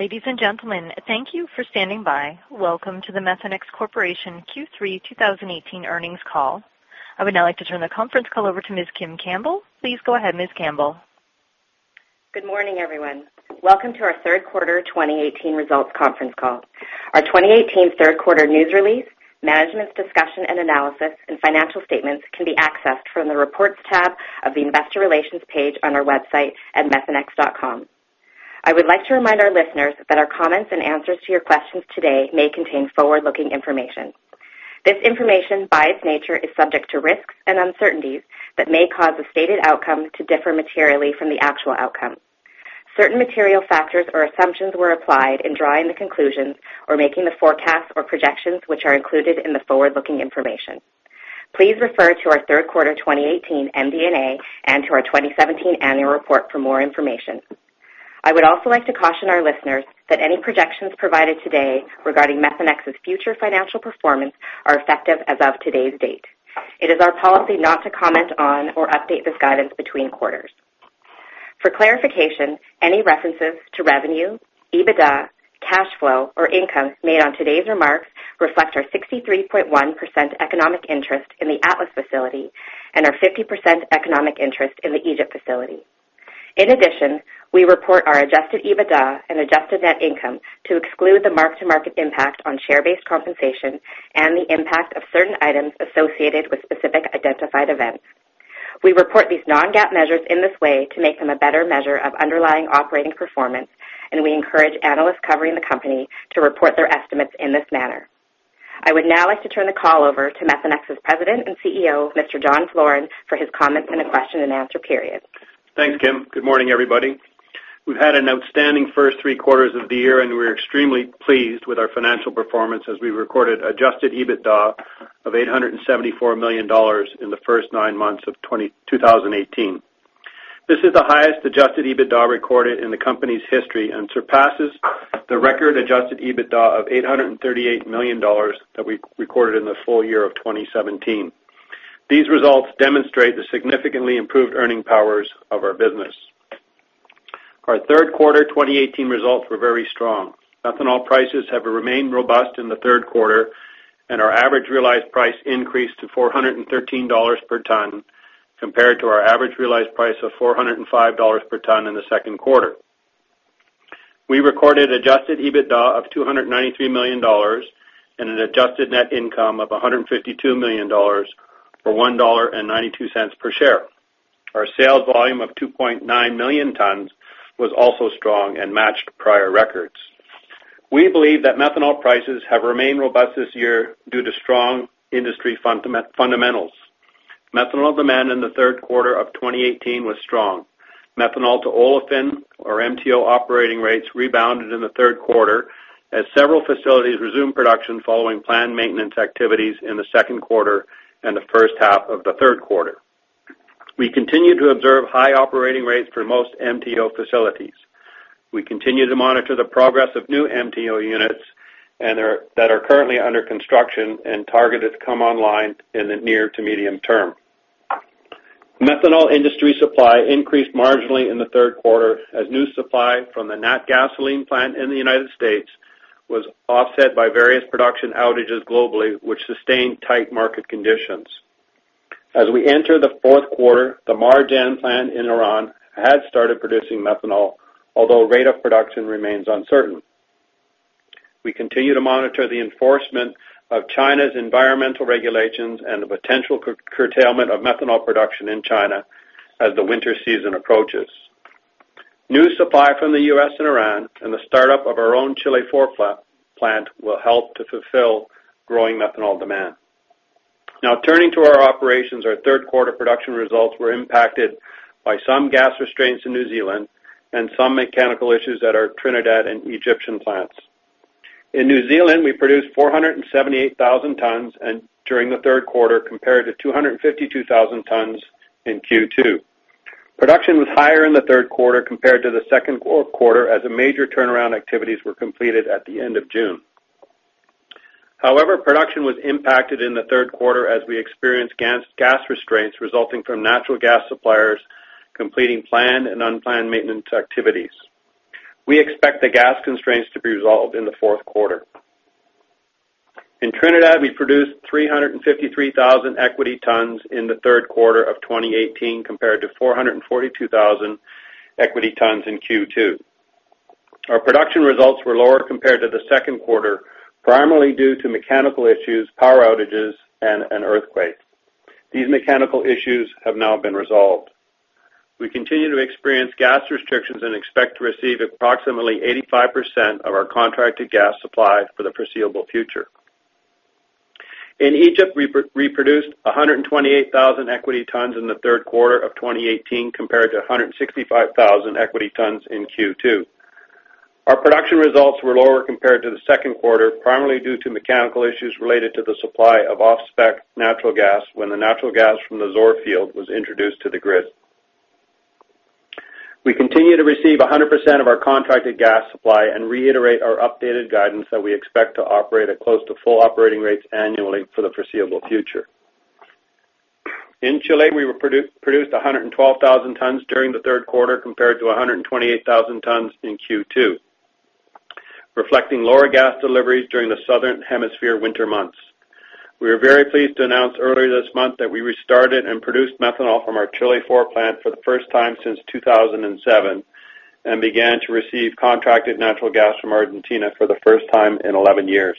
Ladies and gentlemen, thank you for standing by. Welcome to the Methanex Corporation Q3 2018 earnings call. I would now like to turn the conference call over to Ms. Kim Campbell. Please go ahead, Ms. Campbell. Good morning, everyone. Welcome to our third quarter 2018 results conference call. Our 2018 third quarter news release, management's discussion and analysis, and financial statements can be accessed from the Reports tab of the investor relations page on our website at methanex.com. I would like to remind our listeners that our comments and answers to your questions today may contain forward-looking information. This information, by its nature, is subject to risks and uncertainties that may cause the stated outcome to differ materially from the actual outcome. Certain material factors or assumptions were applied in drawing the conclusions or making the forecasts or projections, which are included in the forward-looking information. Please refer to our third quarter 2018 MD&A and to our 2017 annual report for more information. I would also like to caution our listeners that any projections provided today regarding Methanex's future financial performance are effective as of today's date. It is our policy not to comment on or update this guidance between quarters. For clarification, any references to revenue, EBITDA, cash flow, or income made on today's remarks reflect our 63.1% economic interest in the Atlas facility and our 50% economic interest in the Egypt facility. In addition, we report our adjusted EBITDA and adjusted net income to exclude the mark-to-market impact on share-based compensation and the impact of certain items associated with specific identified events. We report these non-GAAP measures in this way to make them a better measure of underlying operating performance, and we encourage analysts covering the company to report their estimates in this manner. I would now like to turn the call over to Methanex's President and CEO, Mr. John Floren, for his comments and the question and answer period. Thanks, Kim. Good morning, everybody. We've had an outstanding first three quarters of the year, and we're extremely pleased with our financial performance as we recorded adjusted EBITDA of $874 million in the first nine months of 2018. This is the highest adjusted EBITDA recorded in the company's history and surpasses the record adjusted EBITDA of $838 million that we recorded in the full year of 2017. These results demonstrate the significantly improved earning powers of our business. Our third quarter 2018 results were very strong. Methanol prices have remained robust in the third quarter, and our average realized price increased to $413 per ton compared to our average realized price of $405 per ton in the second quarter. We recorded adjusted EBITDA of $293 million and an adjusted net income of $152 million, or $1.92 per share. Our sales volume of 2.9 million tons was also strong and matched prior records. We believe that methanol prices have remained robust this year due to strong industry fundamentals. Methanol demand in the third quarter of 2018 was strong. Methanol to olefin, or MTO, operating rates rebounded in the third quarter as several facilities resumed production following planned maintenance activities in the second quarter and the first half of the third quarter. We continue to observe high operating rates for most MTO facilities. We continue to monitor the progress of new MTO units that are currently under construction and targeted to come online in the near to medium term. Methanol industry supply increased marginally in the third quarter as new supply from the Natgasoline plant in the U.S. was offset by various production outages globally, which sustained tight market conditions. As we enter the fourth quarter, the Marjan plant in Iran has started producing methanol, although rate of production remains uncertain. We continue to monitor the enforcement of China's environmental regulations and the potential curtailment of methanol production in China as the winter season approaches. New supply from the U.S. and Iran and the startup of our own Chile IV plant will help to fulfill growing methanol demand. Turning to our operations. Our third-quarter production results were impacted by some gas restraints in New Zealand and some mechanical issues at our Trinidad and Egyptian plants. In New Zealand, we produced 478,000 tons during the third quarter, compared to 252,000 tons in Q2. Production was higher in the third quarter compared to the second quarter, as major turnaround activities were completed at the end of June. Production was impacted in the third quarter as we experienced gas restraints resulting from natural gas suppliers completing planned and unplanned maintenance activities. We expect the gas constraints to be resolved in the fourth quarter. In Trinidad, we produced 353,000 equity tons in the third quarter of 2018, compared to 442,000 equity tons in Q2. Our production results were lower compared to the second quarter, primarily due to mechanical issues, power outages, and an earthquake. These mechanical issues have now been resolved. We continue to experience gas restrictions and expect to receive approximately 85% of our contracted gas supply for the foreseeable future. In Egypt, we produced 128,000 equity tons in the third quarter of 2018, compared to 165,000 equity tons in Q2. Our production results were lower compared to the second quarter, primarily due to mechanical issues related to the supply of off-spec natural gas when the natural gas from the Zohr field was introduced to the grid. We continue to receive 100% of our contracted gas supply and reiterate our updated guidance that we expect to operate at close to full operating rates annually for the foreseeable future. In Chile, we produced 112,000 tons during the third quarter compared to 128,000 tons in Q2, reflecting lower gas deliveries during the Southern Hemisphere winter months. We are very pleased to announce earlier this month that we restarted and produced methanol from our Chile IV plant for the first time since 2007 and began to receive contracted natural gas from Argentina for the first time in 11 years.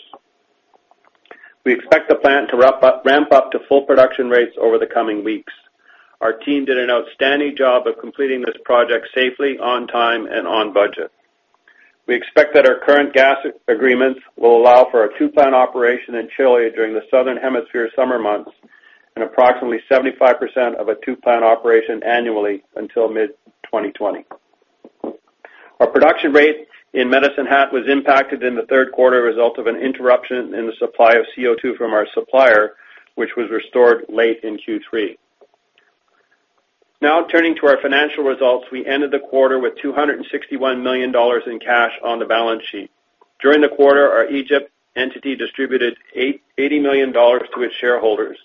We expect the plant to ramp up to full production rates over the coming weeks. Our team did an outstanding job of completing this project safely, on time, and on budget. We expect that our current gas agreements will allow for a two-plant operation in Chile during the Southern Hemisphere summer months and approximately 75% of a two-plant operation annually until mid-2020. Our production rate in Medicine Hat was impacted in the third quarter as a result of an interruption in the supply of CO2 from our supplier, which was restored late in Q3. Now turning to our financial results. We ended the quarter with $261 million in cash on the balance sheet. During the quarter, our Egypt entity distributed $80 million to its shareholders,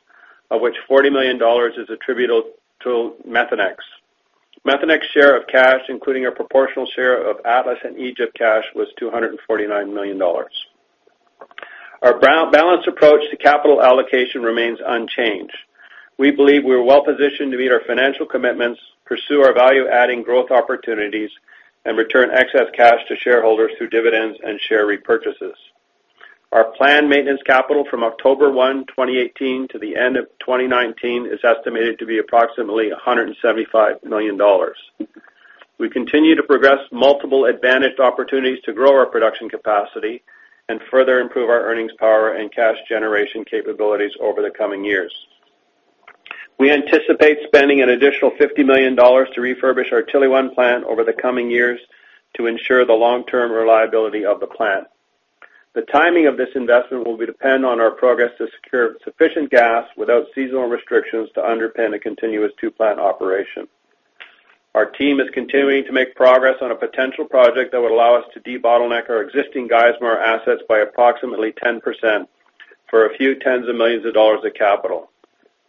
of which $40 million is attributable to Methanex. Methanex share of cash, including our proportional share of Atlas and Egypt cash, was $249 million. Our balanced approach to capital allocation remains unchanged. We believe we are well-positioned to meet our financial commitments, pursue our value-adding growth opportunities, and return excess cash to shareholders through dividends and share repurchases. Our planned maintenance capital from October 1, 2018, to the end of 2019 is estimated to be approximately $175 million. We continue to progress multiple advantaged opportunities to grow our production capacity and further improve our earnings power and cash generation capabilities over the coming years. We anticipate spending an additional $50 million to refurbish our Chile I plant over the coming years to ensure the long-term reliability of the plant. The timing of this investment will be dependent on our progress to secure sufficient gas without seasonal restrictions to underpin a continuous two-plant operation. Our team is continuing to make progress on a potential project that would allow us to debottleneck our existing Geismar assets by approximately 10% for a few tens of millions of dollars of capital.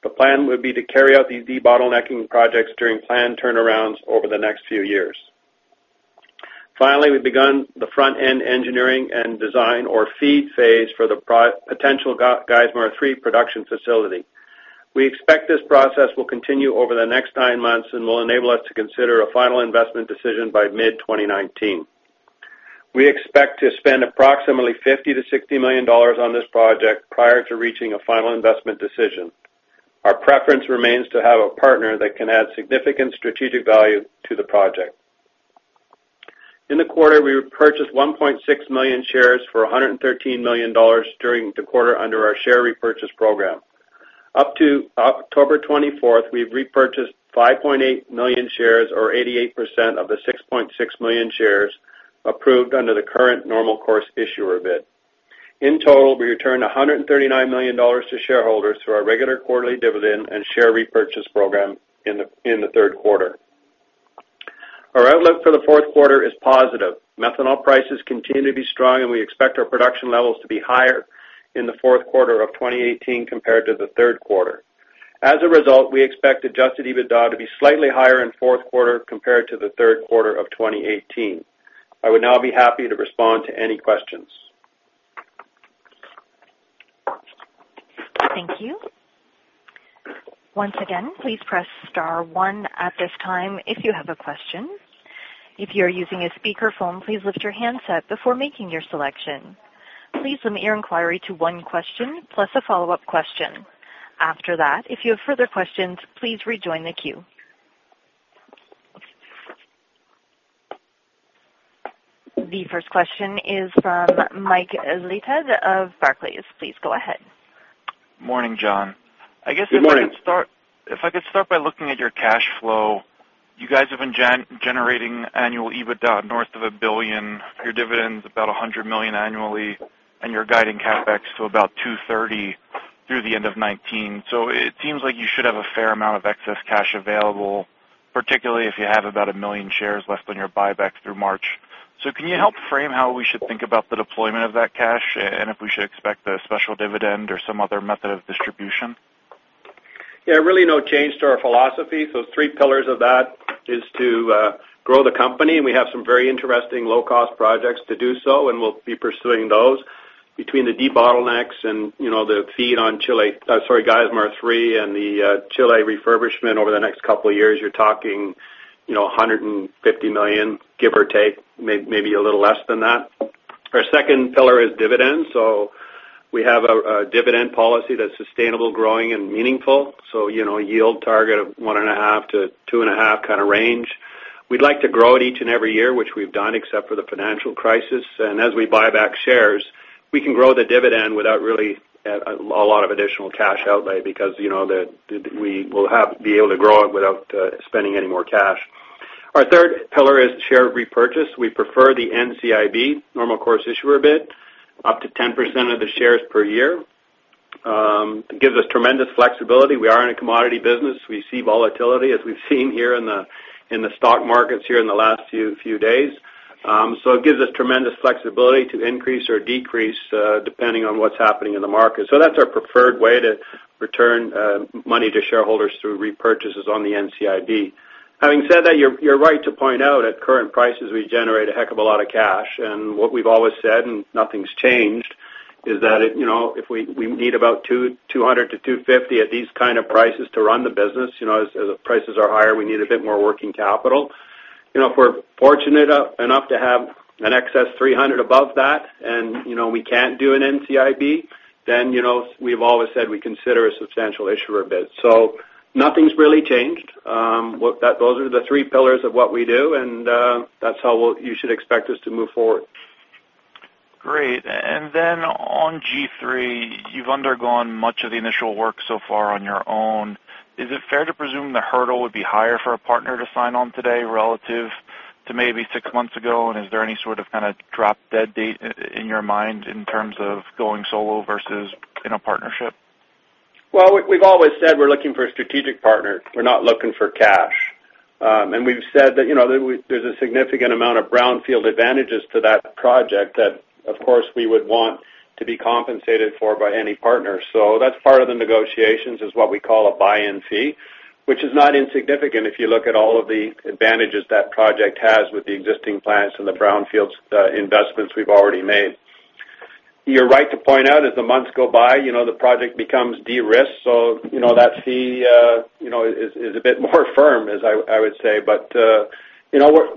The plan would be to carry out these debottlenecking projects during planned turnarounds over the next few years. We've begun the front-end engineering and design or FEED phase for the potential Geismar 3 production facility. We expect this process will continue over the next nine months and will enable us to consider a final investment decision by mid-2019. We expect to spend approximately $50 to $60 million on this project prior to reaching a final investment decision. Our preference remains to have a partner that can add significant strategic value to the project. We purchased 1.6 million shares for $113 million during the quarter under our share repurchase program. Up to October 24th, we've repurchased 5.8 million shares or 88% of the 6.6 million shares approved under the current normal course issuer bid. In total, we returned $139 million to shareholders through our regular quarterly dividend and share repurchase program in the third quarter. Our outlook for the fourth quarter is positive. Methanol prices continue to be strong, and we expect our production levels to be higher in the fourth quarter of 2018 compared to the third quarter. As a result, we expect adjusted EBITDA to be slightly higher in the fourth quarter compared to the third quarter of 2018. I would now be happy to respond to any questions. Thank you. Once again, please press star one at this time if you have a question. If you are using a speakerphone, please lift your handset before making your selection. Please limit your inquiry to one question plus a follow-up question. After that, if you have further questions, please rejoin the queue. The first question is from Mike Leithead of Barclays. Please go ahead. Morning, John. Good morning. I guess if I could start by looking at your cash flow. You guys have been generating annual EBITDA north of $1 billion. Your dividend's about $100 million annually. You're guiding CapEx to about $230 million through the end of 2019. It seems like you should have a fair amount of excess cash available, particularly if you have about 1 million shares left on your buyback through March. Can you help frame how we should think about the deployment of that cash, and if we should expect a special dividend or some other method of distribution? Yeah, really no change to our philosophy. Three pillars of that is to grow the company. We have some very interesting low-cost projects to do so, and we'll be pursuing those. Between the debottlenecks and the FEED on Geismar 3 and the Chile refurbishment over the next couple of years, you're talking $150 million, give or take, maybe a little less than that. Our second pillar is dividends. We have a dividend policy that's sustainable, growing, and meaningful. Yield target of one and a half to two and a half kind of range. We'd like to grow it each and every year, which we've done except for the financial crisis. As we buy back shares, we can grow the dividend without really a lot of additional cash outlay because we will be able to grow it without spending any more cash. Our third pillar is share repurchase. We prefer the NCIB, normal course issuer bid, up to 10% of the shares per year. It gives us tremendous flexibility. We are in a commodity business. We see volatility as we've seen here in the stock markets here in the last few days. It gives us tremendous flexibility to increase or decrease depending on what's happening in the market. That's our preferred way to return money to shareholders through repurchases on the NCIB. Having said that, you're right to point out at current prices, we generate a heck of a lot of cash. What we've always said, and nothing's changed, is that if we need about $200 million to $250 million at these kind of prices to run the business. As the prices are higher, we need a bit more working capital. If we're fortunate enough to have an excess $300 million above that and we can't do an NCIB, we've always said we consider a substantial issuer bid. Nothing's really changed. Those are the three pillars of what we do, and that's how you should expect us to move forward. Great. On G3, you've undergone much of the initial work so far on your own. Is it fair to presume the hurdle would be higher for a partner to sign on today relative to maybe six months ago? Is there any sort of drop-dead date in your mind in terms of going solo versus in a partnership? Well, we've always said we're looking for a strategic partner. We're not looking for cash. We've said that there's a significant amount of brownfield advantages to that project that, of course, we would want to be compensated for by any partner. That's part of the negotiations, is what we call a buy-in fee, which is not insignificant if you look at all of the advantages that project has with the existing plants and the brownfield investments we've already made. You're right to point out, as the months go by, the project becomes de-risked. That fee is a bit more firm, as I would say.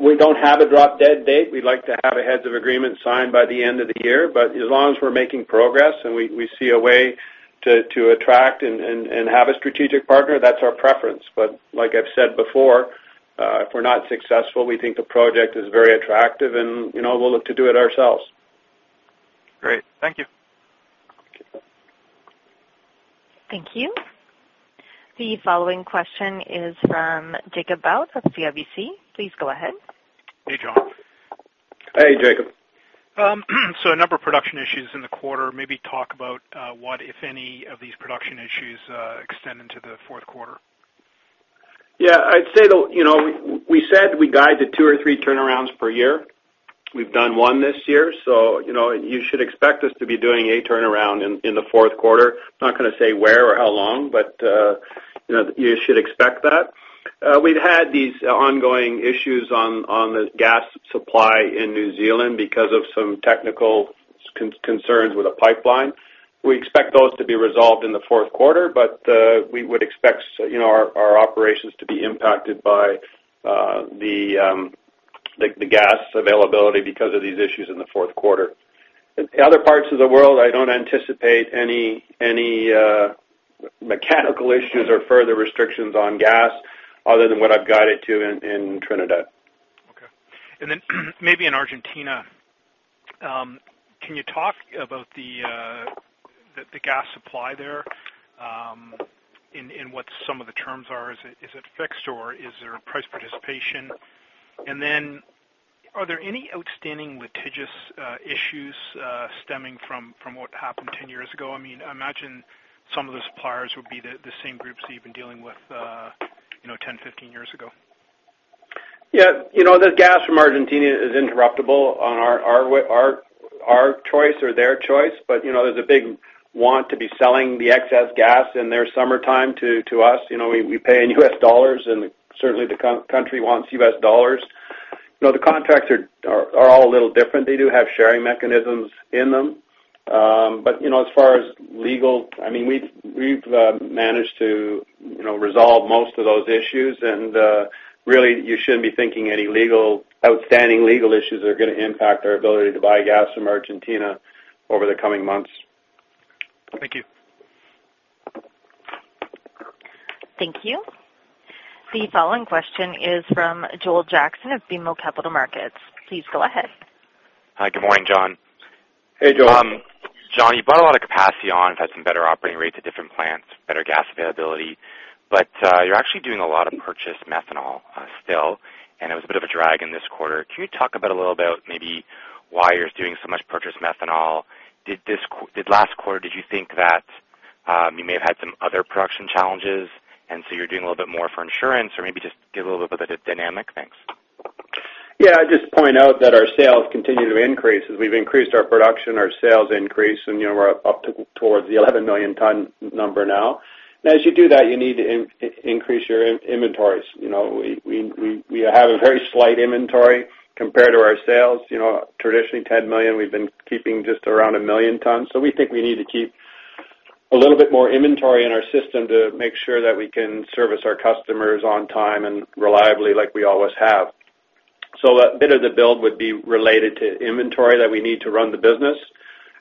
We don't have a drop-dead date. We'd like to have a heads of agreement signed by the end of the year. As long as we're making progress and we see a way to attract and have a strategic partner, that's our preference. Like I've said before, if we're not successful, we think the project is very attractive, and we'll look to do it ourselves. Great. Thank you. Thank you. The following question is from Jacob Bout of CIBC. Please go ahead. Hey, John. Hey, Jacob. A number of production issues in the quarter. Maybe talk about what, if any, of these production issues extend into the fourth quarter. We said we guide to two or three turnarounds per year. We've done one this year, so you should expect us to be doing a turnaround in the fourth quarter. I'm not going to say where or how long, but you should expect that. We've had these ongoing issues on the gas supply in New Zealand because of some technical concerns with the pipeline. We expect those to be resolved in the fourth quarter, but we would expect our operations to be impacted by the gas availability because of these issues in the fourth quarter. Other parts of the world, I don't anticipate any mechanical issues or further restrictions on gas other than what I've guided to in Trinidad. Okay. Maybe in Argentina, can you talk about the gas supply there? What some of the terms are. Is it fixed or is there price participation? Are there any outstanding litigious issues stemming from what happened 10 years ago? I imagine some of those suppliers would be the same groups that you've been dealing with 10, 15 years ago. The gas from Argentina is interruptible on our choice or their choice. There's a big want to be selling the excess gas in their summertime to us. We pay in US dollars, and certainly the country wants US dollars. The contracts are all a little different. They do have sharing mechanisms in them. As far as legal, we've managed to resolve most of those issues, and really you shouldn't be thinking any outstanding legal issues are going to impact our ability to buy gas from Argentina over the coming months. Thank you. Thank you. The following question is from Joel Jackson of BMO Capital Markets. Please go ahead. Hi. Good morning, John. Hey, Joel. John, you've brought a lot of capacity on, have had some better operating rates at different plants, better gas availability. You're actually doing a lot of purchased methanol still, and it was a bit of a drag in this quarter. Can you talk about a little about maybe why you're doing so much purchased methanol? Did last quarter, did you think that you may have had some other production challenges, and so you're doing a little bit more for insurance? Maybe just give a little bit of dynamic. Thanks. Yeah. I'd just point out that our sales continue to increase. As we've increased our production, our sales increase, and we're up towards the 11 million tons number now. As you do that, you need to increase your inventories. We have a very slight inventory compared to our sales. Traditionally 10 million tons, we've been keeping just around 1 million tons. We think we need to keep a little bit more inventory in our system to make sure that we can service our customers on time and reliably like we always have. A bit of the build would be related to inventory that we need to run the business.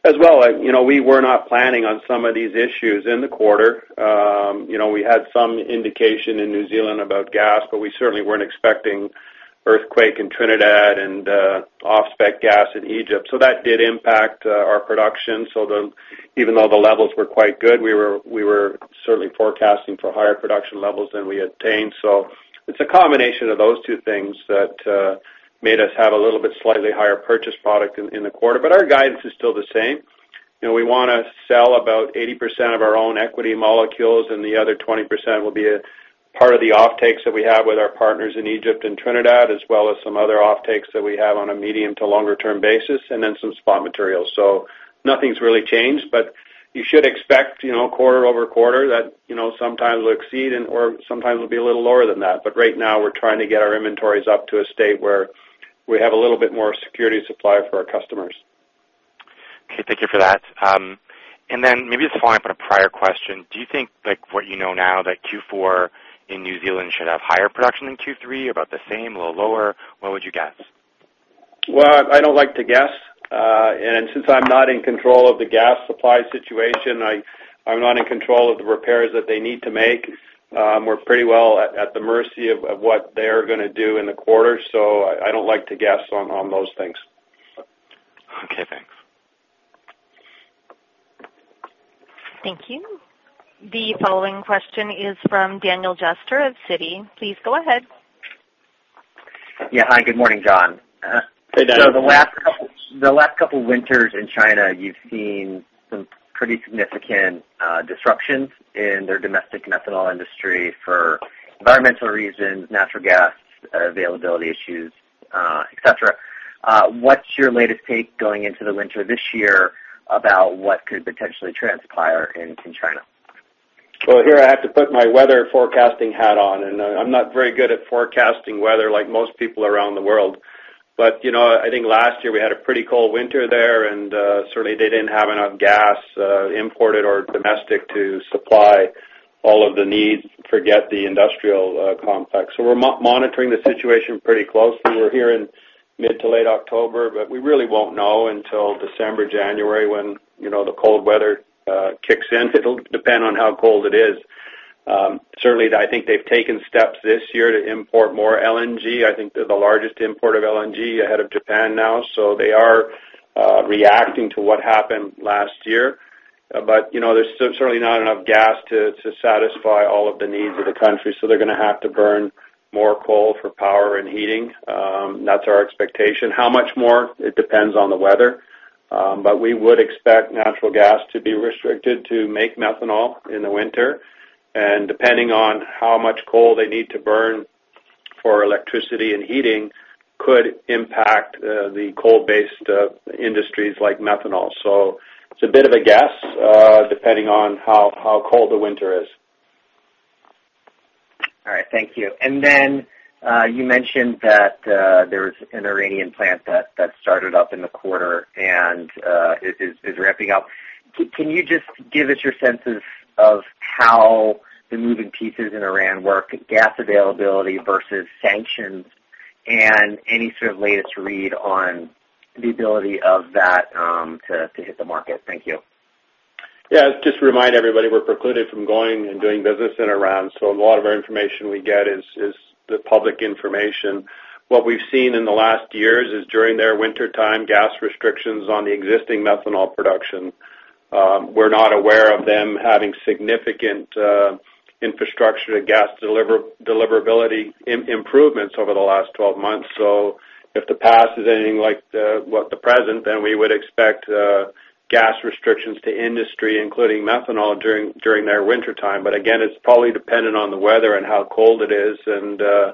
As well, we were not planning on some of these issues in the quarter. We had some indication in New Zealand about gas, but we certainly weren't expecting earthquake in Trinidad and off-spec gas in Egypt. That did impact our production. Even though the levels were quite good, we were certainly forecasting for higher production levels than we obtained. It's a combination of those two things that made us have a little bit slightly higher purchase product in the quarter. Our guidance is still the same. We want to sell about 80% of our own equity molecules, and the other 20% will be a part of the offtakes that we have with our partners in Egypt and Trinidad, as well as some other offtakes that we have on a medium to longer term basis, and then some spot materials. Nothing's really changed, but you should expect, quarter-over-quarter, that sometimes it'll exceed and/or sometimes it'll be a little lower than that. Right now, we're trying to get our inventories up to a state where we have a little bit more security of supply for our customers. Okay. Thank you for that. Maybe just following up on a prior question, do you think, what you know now, that Q4 in New Zealand should have higher production than Q3, about the same, a little lower? What would you guess? Well, I don't like to guess. Since I'm not in control of the gas supply situation, I'm not in control of the repairs that they need to make. We're pretty well at the mercy of what they're going to do in the quarter. I don't like to guess on those things. Okay, thanks. Thank you. The following question is from Daniel Jester of Citi. Please go ahead. Yeah. Hi. Good morning, John. Hey, Daniel. The last couple winters in China, you've seen some pretty significant disruptions in their domestic methanol industry for environmental reasons, natural gas availability issues, et cetera. What's your latest take going into the winter this year about what could potentially transpire in China? Well, here, I have to put my weather forecasting hat on, and I'm not very good at forecasting weather like most people around the world. I think last year we had a pretty cold winter there, and certainly they didn't have enough gas imported or domestic to supply all of the needs, forget the industrial complex. We're monitoring the situation pretty closely. We're here in mid to late October, but we really won't know until December, January when the cold weather kicks in. It'll depend on how cold it is. Certainly, I think they've taken steps this year to import more LNG. I think they're the largest importer of LNG ahead of Japan now. They are reacting to what happened last year. There's certainly not enough gas to satisfy all of the needs of the country, they're going to have to burn more coal for power and heating. That's our expectation. How much more? It depends on the weather. We would expect natural gas to be restricted to make methanol in the winter, and depending on how much coal they need to burn for electricity and heating, could impact the coal-based industries like methanol. It's a bit of a guess, depending on how cold the winter is. All right. Thank you. Then, you mentioned that there was an Iranian plant that started up in the quarter and is ramping up. Can you just give us your sense of how the moving pieces in Iran work, gas availability versus sanctions, and any sort of latest read on the ability of that to hit the market? Thank you. Yeah. Just to remind everybody, we're precluded from going and doing business in Iran, a lot of our information we get is the public information. What we've seen in the last years is during their wintertime gas restrictions on the existing methanol production. We're not aware of them having significant infrastructure and gas deliverability improvements over the last 12 months. If the past is anything like the present, then we would expect gas restrictions to industry, including methanol, during their wintertime. Again, it's probably dependent on the weather and how cold it is. The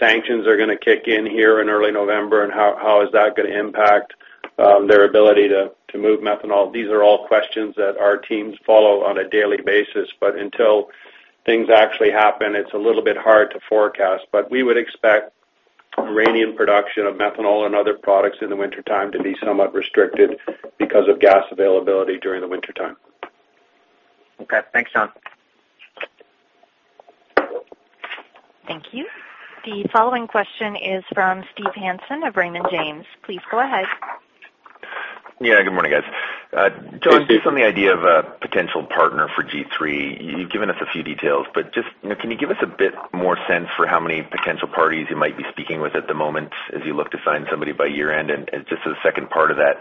sanctions are going to kick in here in early November. How is that going to impact their ability to move methanol? These are all questions that our teams follow on a daily basis, but until things actually happen, it's a little bit hard to forecast. We would expect Iranian production of methanol and other products in the wintertime to be somewhat restricted because of gas availability during the wintertime. Okay. Thanks, John. Thank you. The following question is from Steve Hansen of Raymond James. Please go ahead. Yeah. Good morning, guys. Hey, Steve. John, just on the idea of a potential partner for G3, you've given us a few details, but just can you give us a bit more sense for how many potential parties you might be speaking with at the moment as you look to sign somebody by year-end? Just as a second part of that,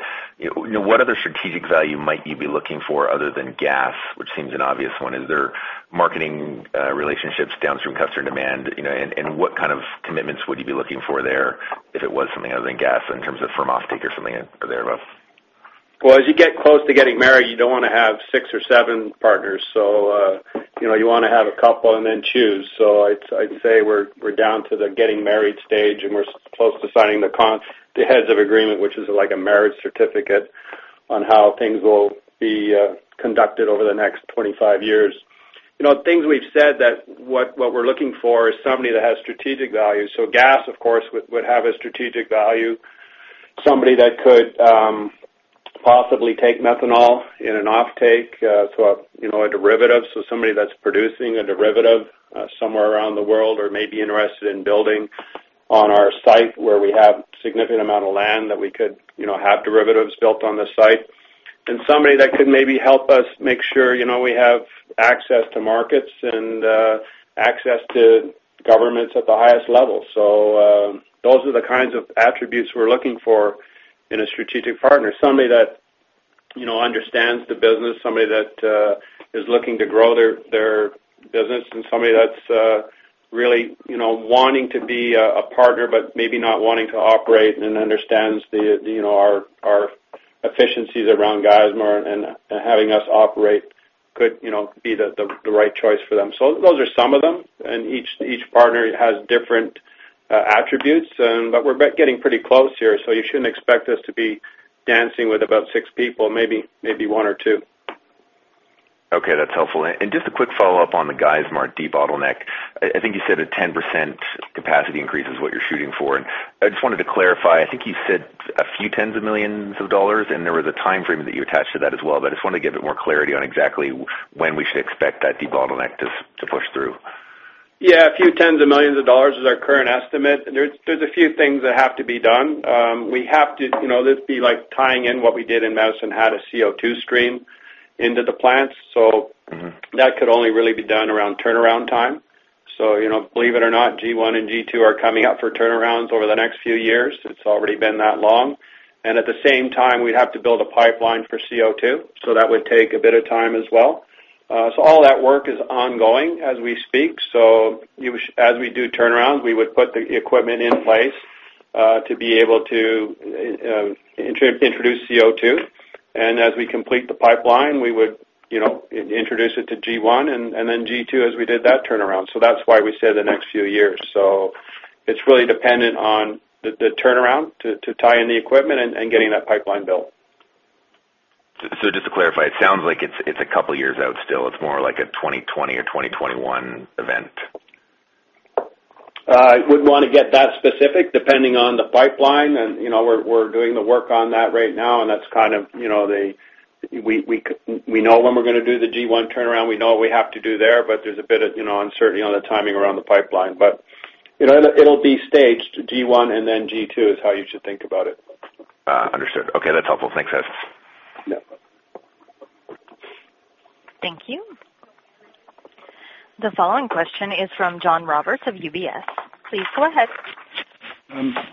what other strategic value might you be looking for other than gas, which seems an obvious one? Is there marketing relationships, downstream customer demand, and what kind of commitments would you be looking for there if it was something other than gas in terms of firm offtake or something in there or both? Well, as you get close to getting married, you don't want to have six or seven partners. You want to have a couple and then choose. I'd say we're down to the getting married stage, and we're close to signing the heads of agreement, which is like a marriage certificate on how things will be conducted over the next 25 years. Things we've said that what we're looking for is somebody that has strategic value. Gas, of course, would have a strategic value. Somebody that could possibly take methanol in an offtake, a derivative. Somebody that's producing a derivative somewhere around the world or may be interested in building on our site where we have significant amount of land that we could have derivatives built on the site. Somebody that could maybe help us make sure we have access to markets and access to governments at the highest level. Those are the kinds of attributes we're looking for in a strategic partner. Somebody that understands the business, somebody that is looking to grow their business, and somebody that's really wanting to be a partner, but maybe not wanting to operate and understands our efficiencies around Geismar and having us operate could be the right choice for them. Those are some of them. Each partner has different attributes. We're getting pretty close here, so you shouldn't expect us to be dancing with about six people, maybe one or two. Okay, that's helpful. Just a quick follow-up on the Geismar debottleneck. I think you said a 10% capacity increase is what you're shooting for. I just wanted to clarify. I think you said a few tens of millions of dollars, and there was a time frame that you attached to that as well. I just wanted to give it more clarity on exactly when we should expect that debottleneck to push through. Yeah. A few tens of millions of dollars is our current estimate. There's a few things that have to be done. This would be like tying in what we did in Medicine Hat a CO2 stream into the plant. That could only really be done around turnaround time. Believe it or not, G1 and G2 are coming up for turnarounds over the next few years. It's already been that long. At the same time, we'd have to build a pipeline for CO2, that would take a bit of time as well. All that work is ongoing as we speak. As we do turn around, we would put the equipment in place, to be able to introduce CO2. As we complete the pipeline, we would introduce it to G1 and then G2 as we did that turnaround. That's why we say the next few years. It's really dependent on the turnaround to tie in the equipment and getting that pipeline built. Just to clarify, it sounds like it's a couple of years out still. It's more like a 2020 or 2021 event. I wouldn't want to get that specific, depending on the pipeline. We're doing the work on that right now, and we know when we're going to do the G1 turnaround. We know what we have to do there's a bit of uncertainty on the timing around the pipeline. It'll be staged. G1 and then G2 is how you should think about it. Understood. Okay. That's helpful. Thanks, guys. Yeah. Thank you. The following question is from John Roberts of UBS. Please go ahead.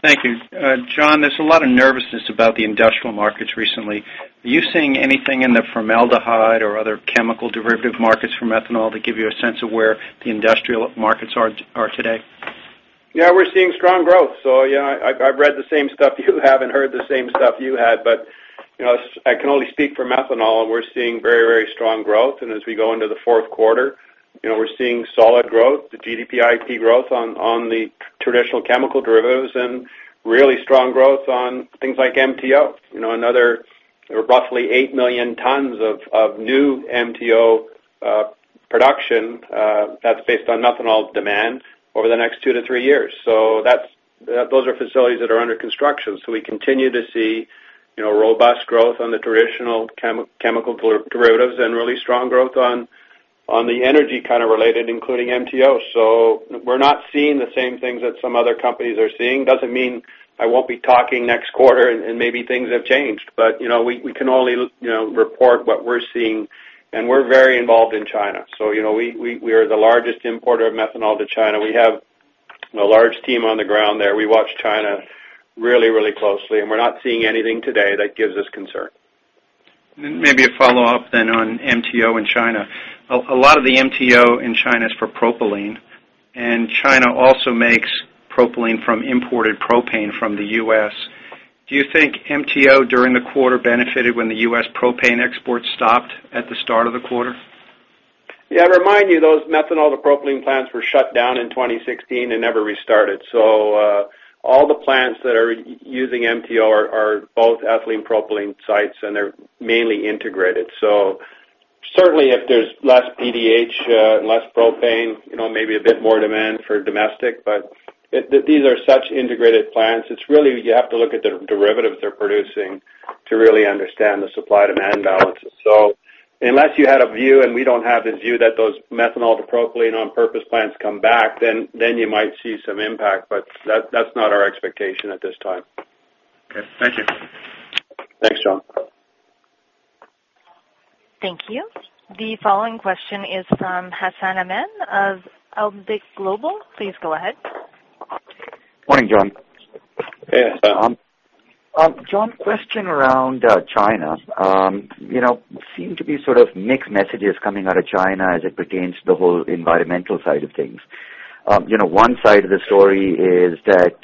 Thank you. John, there's a lot of nervousness about the industrial markets recently. Are you seeing anything in the formaldehyde or other chemical derivative markets from methanol to give you a sense of where the industrial markets are today? We're seeing strong growth. I've read the same stuff you have and heard the same stuff you had. I can only speak for methanol. We're seeing very strong growth. As we go into the fourth quarter, we're seeing solid growth, the GDP, IP growth on the traditional chemical derivatives and really strong growth on things like MTO. There are roughly 8 million tons of new MTO production, that's based on methanol demand, over the next 2 to 3 years. Those are facilities that are under construction. We continue to see robust growth on the traditional chemical derivatives and really strong growth on the energy kind of related, including MTO. We're not seeing the same things that some other companies are seeing. Doesn't mean I won't be talking next quarter and maybe things have changed. We can only report what we're seeing, and we're very involved in China. We are the largest importer of methanol to China. We have a large team on the ground there. We watch China really closely, and we're not seeing anything today that gives us concern. Maybe a follow-up on MTO in China. A lot of the MTO in China is for propylene, China also makes propylene from imported propane from the U.S. Do you think MTO, during the quarter, benefited when the U.S. propane exports stopped at the start of the quarter? Yeah. I remind you, those methanol to propylene plants were shut down in 2016 never restarted. All the plants that are using MTO are both ethylene propylene sites, they're mainly integrated. Certainly, if there's less PDH, less propane, maybe a bit more demand for domestic. These are such integrated plants. You have to look at the derivatives they're producing to really understand the supply-demand balances. Unless you had a view, we don't have the view that those methanol to propylene on-purpose plants come back, you might see some impact, that's not our expectation at this time. Okay. Thank you. Thanks, John. Thank you. The following question is from Hassan Ahmed of Alembic Global Advisors. Please go ahead. Morning, John. Hey, Hassan. John, question around China. Seem to be sort of mixed messages coming out of China as it pertains to the whole environmental side of things. One side of the story is that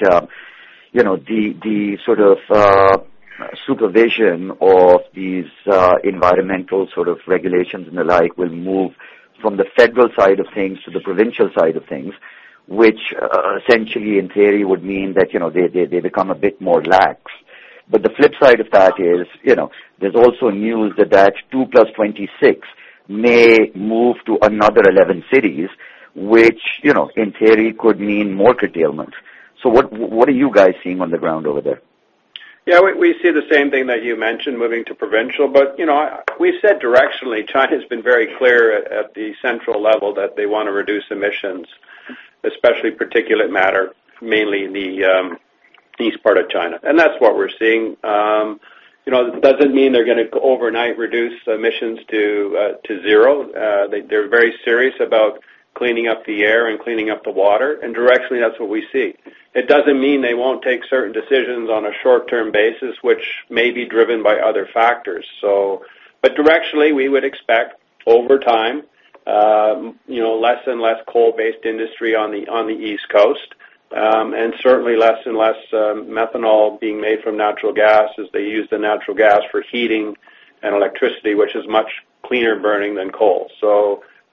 the sort of supervision of these environmental sort of regulations and the like will move from the federal side of things to the provincial side of things, which essentially in theory would mean that they become a bit more lax. The flip side of that is, there's also news that 2+26 may move to another 11 cities, which in theory could mean more curtailment. What are you guys seeing on the ground over there? We see the same thing that you mentioned moving to provincial. We said directionally, China's been very clear at the central level that they want to reduce emissions, especially particulate matter, mainly in the east part of China. That's what we're seeing. It doesn't mean they're gonna overnight reduce emissions to zero. They're very serious about cleaning up the air and cleaning up the water, and directionally, that's what we see. It doesn't mean they won't take certain decisions on a short-term basis, which may be driven by other factors. Directionally, we would expect over time, less and less coal-based industry on the East Coast. Certainly less and less methanol being made from natural gas as they use the natural gas for heating and electricity, which is much cleaner burning than coal.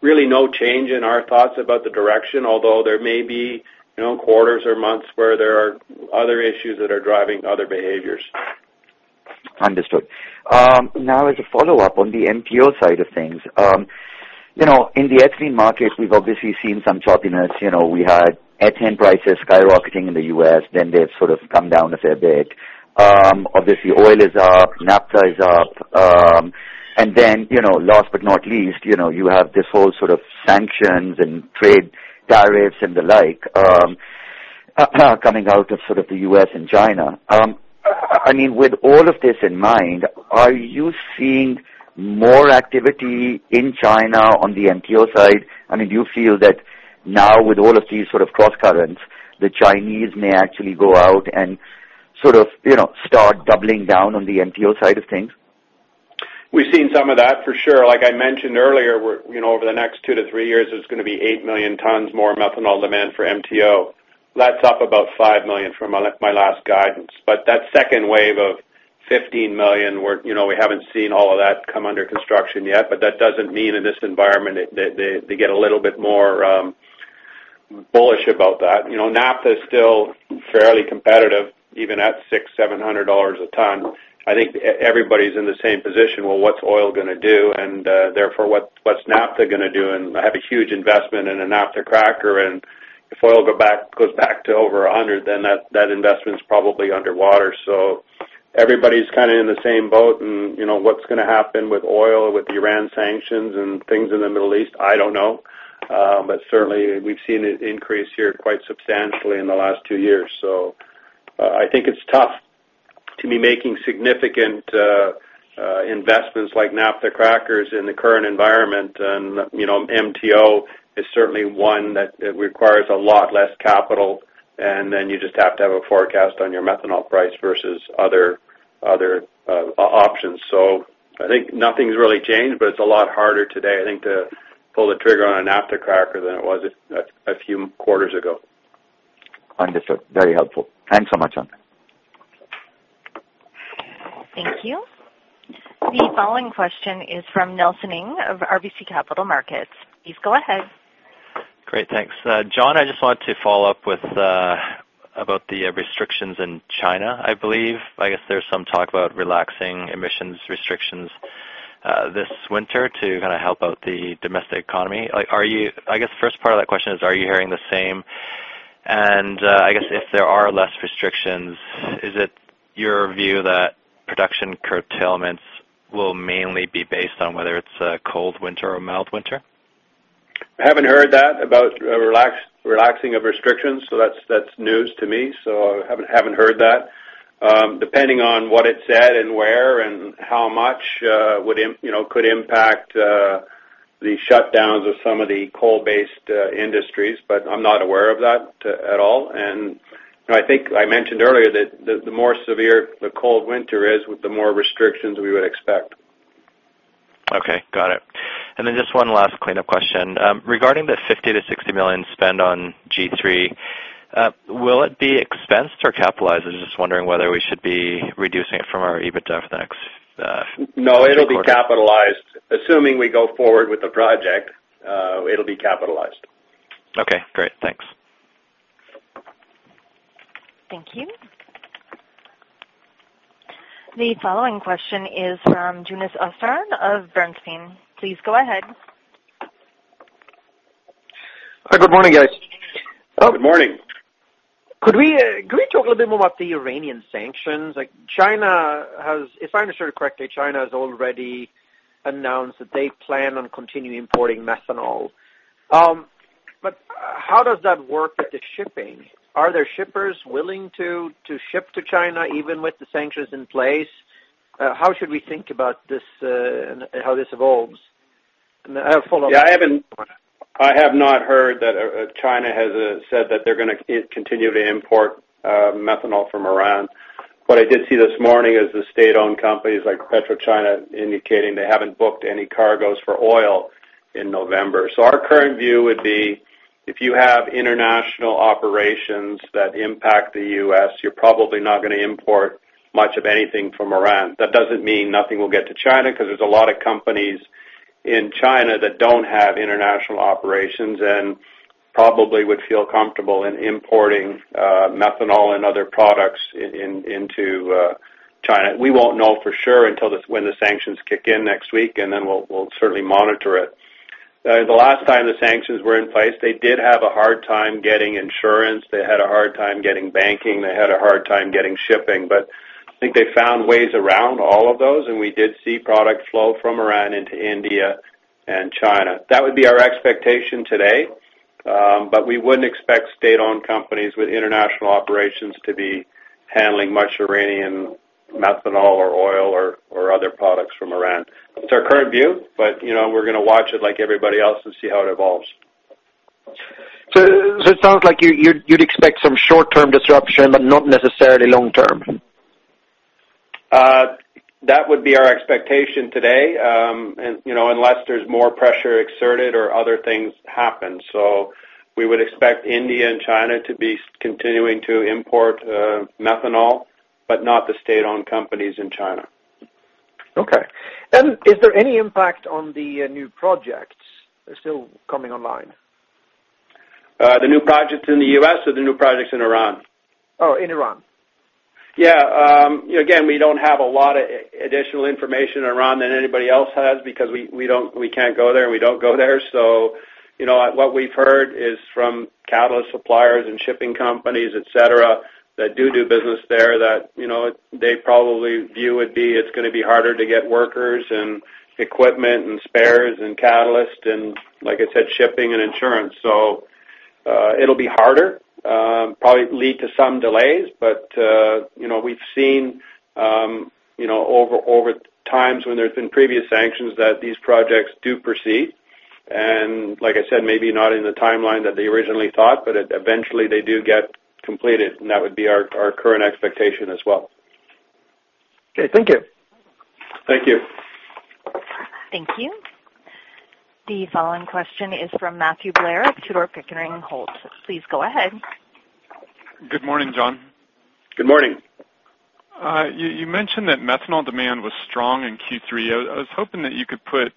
Really no change in our thoughts about the direction, although there may be quarters or months where there are other issues that are driving other behaviors. Understood. Now as a follow-up on the MTO side of things. In the ethylene market, we've obviously seen some choppiness. We had ethane prices skyrocketing in the U.S., then they've sort of come down a fair bit. Obviously, oil is up, naphtha is up. Then, last but not least, you have this whole sort of sanctions and trade tariffs and the like coming out of the U.S. and China. With all of this in mind, are you seeing more activity in China on the MTO side? Do you feel that now with all of these sort of cross currents, the Chinese may actually go out and start doubling down on the MTO side of things? We've seen some of that for sure. Like I mentioned earlier, over the next two to three years, there's going to be eight million tons more methanol demand for MTO. That's up about five million from my last guidance. That second wave of 15 million, we haven't seen all of that come under construction yet. That doesn't mean in this environment they get a little bit more bullish about that. Naphtha is still fairly competitive even at $600, $700 a ton. I think everybody's in the same position. Well, what's oil going to do? Therefore, what's naphtha going to do? I have a huge investment in a naphtha cracker, and if oil goes back to over 100, then that investment's probably underwater. Everybody's kind of in the same boat, and what's going to happen with oil, with Iran sanctions, and things in the Middle East, I don't know. Certainly, we've seen it increase here quite substantially in the last two years. I think it's tough to be making significant investments like naphtha crackers in the current environment. MTO is certainly one that requires a lot less capital, and then you just have to have a forecast on your methanol price versus other options. I think nothing's really changed, but it's a lot harder today, I think, to pull the trigger on a naphtha cracker than it was a few quarters ago. Understood. Very helpful. Thanks so much, John. Thank you. The following question is from Nelson Ng of RBC Capital Markets. Please go ahead. Great. Thanks. John, I just wanted to follow up about the restrictions in China, I believe. I guess there's some talk about relaxing emissions restrictions this winter to help out the domestic economy. I guess first part of that question is, are you hearing the same? I guess if there are less restrictions, is it your view that production curtailments will mainly be based on whether it's a cold winter or a mild winter? I haven't heard that about relaxing of restrictions, that's news to me. I haven't heard that. Depending on what it said and where and how much could impact the shutdowns of some of the coal-based industries. I'm not aware of that at all. I think I mentioned earlier that the more severe the cold winter is, the more restrictions we would expect. Okay. Got it. Just one last cleanup question. Regarding the $50 million-$60 million spend on G3, will it be expensed or capitalized? I was just wondering whether we should be reducing it from our EBITDA next quarter. No, it'll be capitalized. Assuming we go forward with the project, it'll be capitalized. Okay, great. Thanks. Thank you. The following question is from Jonas Oxgaard of Bernstein. Please go ahead. Hi, good morning, guys. Good morning. Could we talk a little bit more about the Iranian sanctions? If I understood correctly, China has already announced that they plan on continuing importing methanol. How does that work with the shipping? Are there shippers willing to ship to China even with the sanctions in place? How should we think about how this evolves? I have a follow-up. Yeah, I have not heard that China has said that they're going to continue to import methanol from Iran. What I did see this morning is the state-owned companies like PetroChina indicating they haven't booked any cargoes for oil in November. Our current view would be, if you have international operations that impact the U.S., you're probably not going to import much of anything from Iran. That doesn't mean nothing will get to China, because there's a lot of companies in China that don't have international operations, and probably would feel comfortable in importing methanol and other products into China. We won't know for sure until when the sanctions kick in next week. We'll certainly monitor it. The last time the sanctions were in place, they did have a hard time getting insurance. They had a hard time getting banking. They had a hard time getting shipping. I think they found ways around all of those, and we did see product flow from Iran into India and China. That would be our expectation today. We wouldn't expect state-owned companies with international operations to be handling much Iranian methanol or oil or other products from Iran. It's our current view, but we're going to watch it like everybody else and see how it evolves. It sounds like you'd expect some short-term disruption, but not necessarily long term. That would be our expectation today, unless there's more pressure exerted or other things happen. We would expect India and China to be continuing to import methanol, but not the state-owned companies in China. Okay. Is there any impact on the new projects that are still coming online? The new projects in the U.S. or the new projects in Iran? Oh, in Iran. Yeah. We don't have a lot of additional information in Iran than anybody else has because we can't go there, and we don't go there. What we've heard is from catalyst suppliers and shipping companies, et cetera, that do business there, that they probably view it's going to be harder to get workers and equipment and spares and catalyst and like I said, shipping and insurance. It'll be harder, probably lead to some delays, we've seen over times when there's been previous sanctions that these projects do proceed. Like I said, maybe not in the timeline that they originally thought, eventually they do get completed, and that would be our current expectation as well. Okay. Thank you. Thank you. Thank you. The following question is from Matthew Blair of Tudor, Pickering, Holt. Please go ahead. Good morning, John. Good morning. You mentioned that methanol demand was strong in Q3. I was hoping that you could put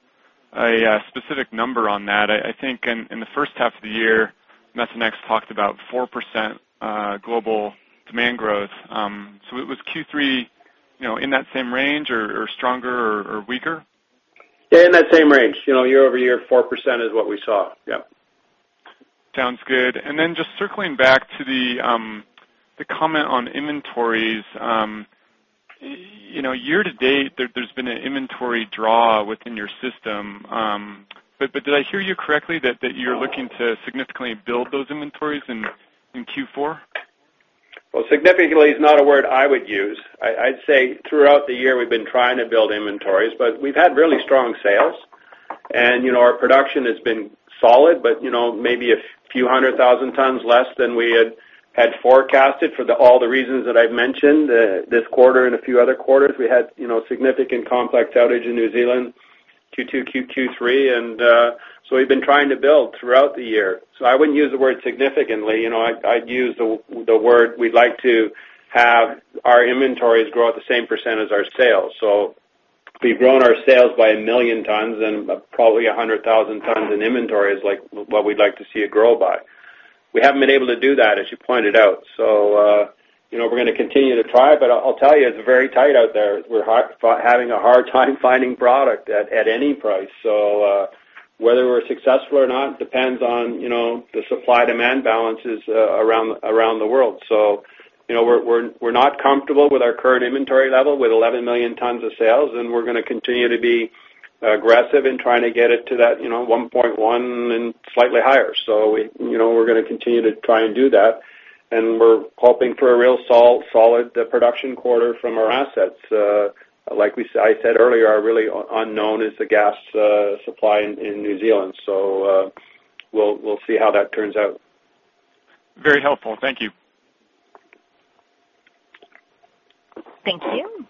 a specific number on that. I think in the first half of the year, Methanex talked about 4% global demand growth. Was Q3 in that same range, or stronger or weaker? In that same range. Year-over-year, 4% is what we saw. Yep. Sounds good. Just circling back to the comment on inventories. Year-to-date, there's been an inventory draw within your system. Did I hear you correctly that you're looking to significantly build those inventories in Q4? Well, significantly is not a word I would use. I'd say throughout the year, we've been trying to build inventories, but we've had really strong sales. Our production has been solid, but maybe a few hundred thousand tons less than we had forecasted for all the reasons that I've mentioned. This quarter and a few other quarters, we had significant complex outage in New Zealand, Q2, Q3. We've been trying to build throughout the year. I wouldn't use the word significantly. I'd use the word we'd like to have our inventories grow at the same percent as our sales. We've grown our sales by 1 million tons and probably 100,000 tons in inventory is what we'd like to see it grow by. We haven't been able to do that, as you pointed out. We're going to continue to try, but I'll tell you, it's very tight out there. We're having a hard time finding product at any price. Whether we're successful or not depends on the supply-demand balances around the world. We're not comfortable with our current inventory level with 11 million tons of sales, and we're going to continue to be aggressive in trying to get it to that 1.1 and slightly higher. We're going to continue to try and do that, and we're hoping for a real solid production quarter from our assets. Like I said earlier, our really unknown is the gas supply in New Zealand. We'll see how that turns out. Very helpful. Thank you. Thank you.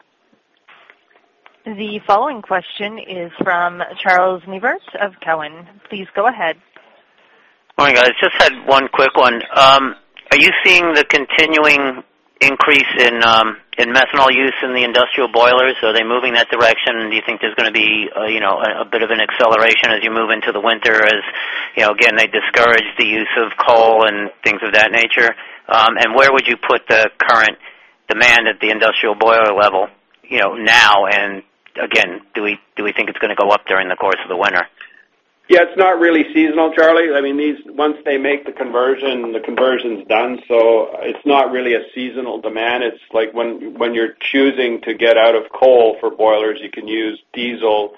The following question is from Charles Neivert of Cowen. Please go ahead. Morning, guys. Just had one quick one. Are you seeing the continuing increase in methanol use in the industrial boilers? Are they moving that direction? Do you think there's going to be a bit of an acceleration as you move into the winter as, again, they discourage the use of coal and things of that nature? Where would you put the current demand at the industrial boiler level now? Again, do we think it's going to go up during the course of the winter? Yeah, it's not really seasonal, Charlie. Once they make the conversion, the conversion's done. It's not really a seasonal demand. It's like when you're choosing to get out of coal for boilers, you can use diesel,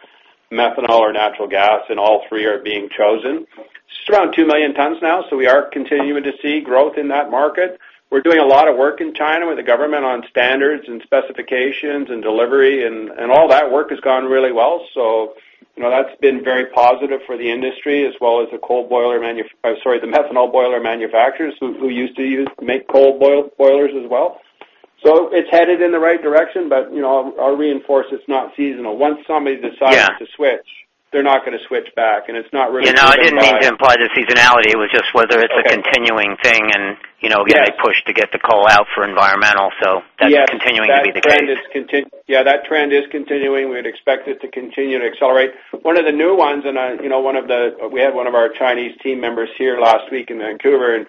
methanol, or natural gas, and all three are being chosen. It's around 2 million tons now, we are continuing to see growth in that market. We're doing a lot of work in China with the government on standards and specifications and delivery, and all that work has gone really well. That's been very positive for the industry as well as the methanol boiler manufacturers who used to make coal boilers as well. It's headed in the right direction, but I'll reinforce, it's not seasonal. Once somebody decides to switch, they're not going to switch back, and it's not really. I didn't mean to imply the seasonality. It was just whether it's a continuing thing. Yes. Getting a push to get the coal out for environmental. That's continuing to be the case. Yeah, that trend is continuing. We'd expect it to continue to accelerate. One of the new ones, and we had one of our Chinese team members here last week in Vancouver, and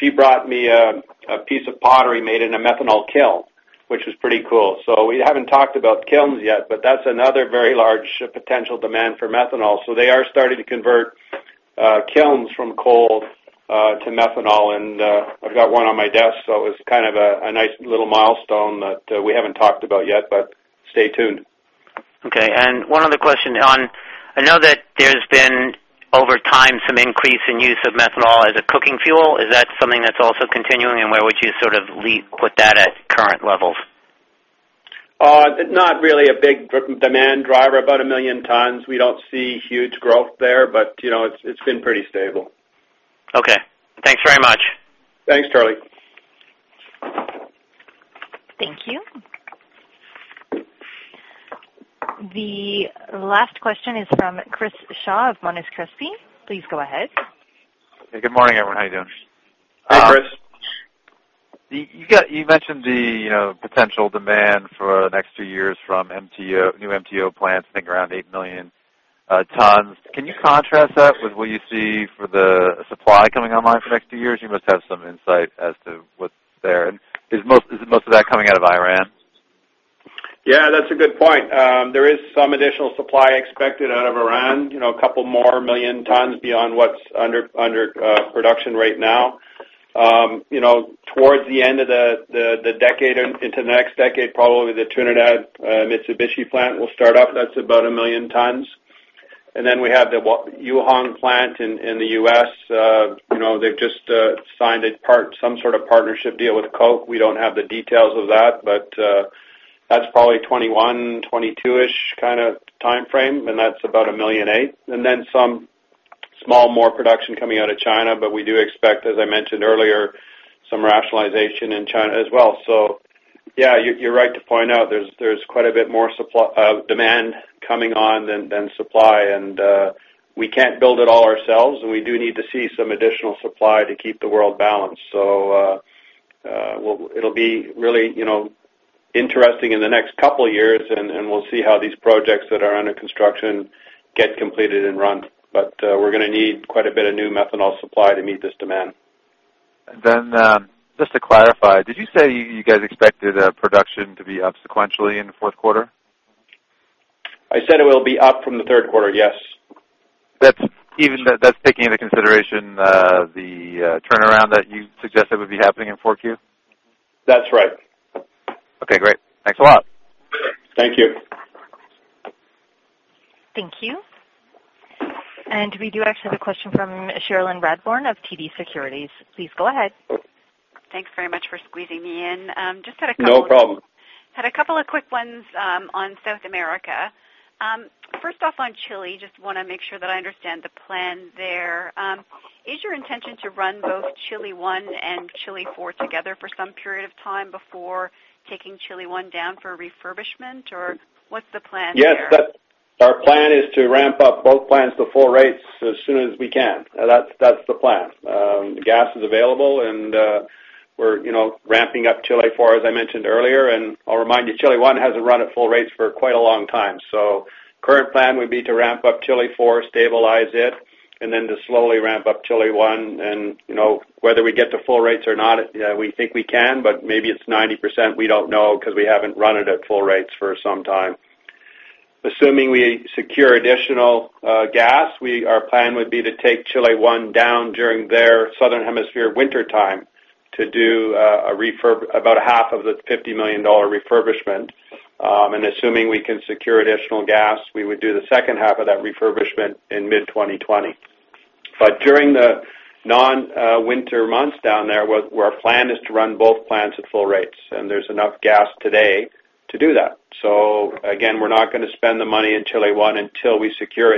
she brought me a piece of pottery made in a methanol kiln, which was pretty cool. We haven't talked about kilns yet, but that's another very large potential demand for methanol. They are starting to convert kilns from coal to methanol, and I've got one on my desk. It was kind of a nice little milestone that we haven't talked about yet, but stay tuned. Okay. One other question on-- I know that there's been, over time, some increase in use of methanol as a cooking fuel. Is that something that's also continuing, and where would you sort of put that at current levels? Not really a big demand driver. About a million tons. We don't see huge growth there, but it's been pretty stable. Okay. Thanks very much. Thanks, Charlie. Thank you. The last question is from Chris Shaw of Monness, Crespi, Hardt & Co. Please go ahead. Hey, good morning, everyone. How you doing? Hey, Chris. You mentioned the potential demand for the next two years from new MTO plants, I think around 8 million tons. Can you contrast that with what you see for the supply coming online for the next two years? You must have some insight as to what's there. Is most of that coming out of Iran? That's a good point. There is some additional supply expected out of Iran, a couple more million tons beyond what's under production right now. Towards the end of the decade into the next decade, probably the Trinidad Mitsubishi plant will start up. That's about 1 million tons. We have the Yuhuang plant in the U.S. They've just signed some sort of partnership deal with Koch. We don't have the details of that, but that's probably 2021, 2022-ish kind of timeframe, and that's about 1.8 million. Some small more production coming out of China. We do expect, as I mentioned earlier, some rationalization in China as well. You're right to point out there's quite a bit more demand coming on than supply, we can't build it all ourselves, and we do need to see some additional supply to keep the world balanced. It'll be really interesting in the next couple of years, we'll see how these projects that are under construction get completed and run. We're going to need quite a bit of new methanol supply to meet this demand. Just to clarify, did you say you guys expected production to be up sequentially in the fourth quarter? I said it will be up from the third quarter, yes. That's taking into consideration the turnaround that you suggested would be happening in 4Q? That's right. Okay, great. Thanks a lot. Thank you. Thank you. We do actually have a question from Cherilyn Radbourne of TD Securities. Please go ahead. Thanks very much for squeezing me in. No problem had a couple of quick ones on South America. First off on Chile, just want to make sure that I understand the plan there. Is your intention to run both Chile I and Chile IV together for some period of time before taking Chile I down for refurbishment, or what's the plan there? Yes, our plan is to ramp up both plants to full rates as soon as we can. That's the plan. The gas is available and we're ramping up Chile IV, as I mentioned earlier. I'll remind you, Chile I hasn't run at full rates for quite a long time. Current plan would be to ramp up Chile IV, stabilize it, and then to slowly ramp up Chile I. Whether we get to full rates or not, we think we can, but maybe it's 90%. We don't know because we haven't run it at full rates for some time. Assuming we secure additional gas, our plan would be to take Chile I down during their southern hemisphere wintertime to do about half of the $50 million refurbishment. Assuming we can secure additional gas, we would do the second half of that refurbishment in mid-2020. During the non-winter months down there, our plan is to run both plants at full rates, and there's enough gas today to do that. Again, we're not going to spend the money in Chile I until we secure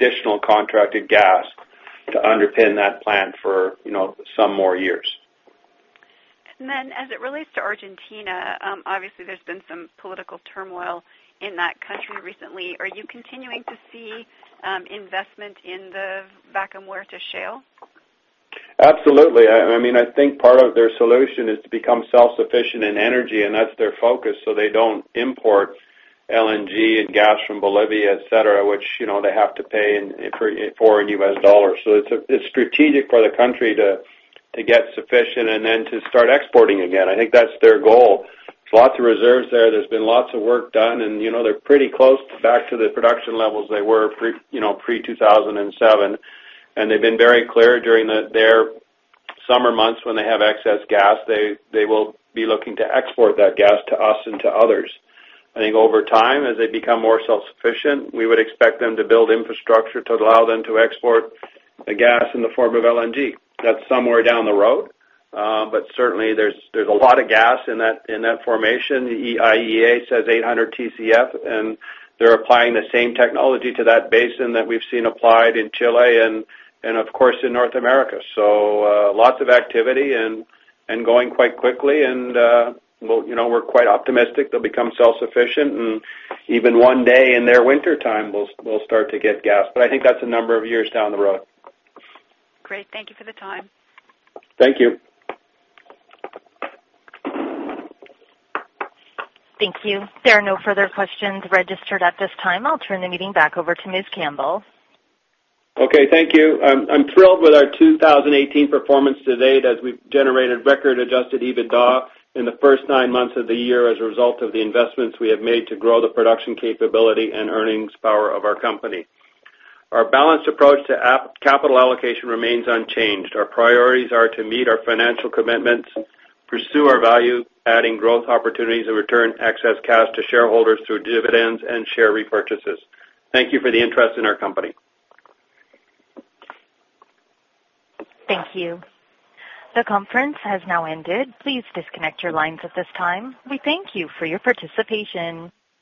additional contracted gas to underpin that plant for some more years. As it relates to Argentina, obviously there's been some political turmoil in that country recently. Are you continuing to see investment in the Vaca Muerta shale? Absolutely. I think part of their solution is to become self-sufficient in energy, and that's their focus, so they don't import LNG and gas from Bolivia, et cetera, which they have to pay for in US dollars. It's strategic for the country to get sufficient and then to start exporting again. I think that's their goal. There's lots of reserves there. There's been lots of work done, and they're pretty close back to the production levels they were pre-2007. They've been very clear during their summer months when they have excess gas, they will be looking to export that gas to us and to others. I think over time, as they become more self-sufficient, we would expect them to build infrastructure to allow them to export the gas in the form of LNG. That's somewhere down the road. Certainly, there's a lot of gas in that formation. The International Energy Agency says 800 TCF. They're applying the same technology to that basin that we've seen applied in Chile and of course, in North America. Lots of activity and going quite quickly, and we're quite optimistic they'll become self-sufficient and even one day in their wintertime we'll start to get gas. I think that's a number of years down the road. Great. Thank you for the time. Thank you. Thank you. There are no further questions registered at this time. I'll turn the meeting back over to Ms. Campbell. Okay, thank you. I'm thrilled with our 2018 performance to date as we've generated record-adjusted EBITDA in the first nine months of the year as a result of the investments we have made to grow the production capability and earnings power of our company. Our balanced approach to capital allocation remains unchanged. Our priorities are to meet our financial commitments, pursue our value-adding growth opportunities, and return excess cash to shareholders through dividends and share repurchases. Thank you for the interest in our company. Thank you. The conference has now ended. Please disconnect your lines at this time. We thank you for your participation.